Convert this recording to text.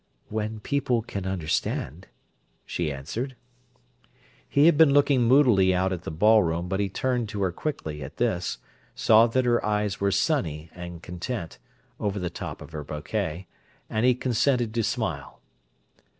_" "When people can understand," she answered. He had been looking moodily out at the ballroom but he turned to her quickly, at this, saw that her eyes were sunny and content, over the top of her bouquet; and he consented to smile.